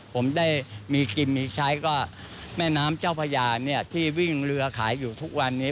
ผมได้มีกินมีใช้ก็แม่น้ำเจ้าพญาเนี่ยที่วิ่งเรือขายอยู่ทุกวันนี้